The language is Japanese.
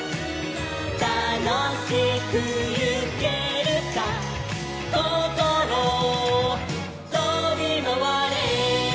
「たのしくいけるさ」「こころとびまわれ」